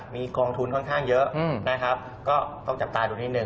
มีกองทุนค่อนข้างเยอะนะครับก็ต้องจับตาดูนิดนึ